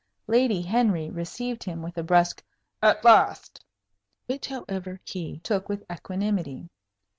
Lady Henry received him with a brusque "At last," which, however, he took with equanimity.